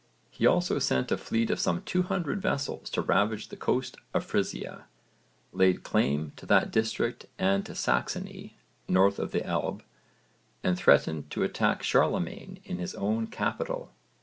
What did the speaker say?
He also sent a fleet of some 200 vessels to ravage the coast of Frisia, laid claim to that district and to Saxony, north of the Elbe, and threatened to attack Charlemagne in his own capital.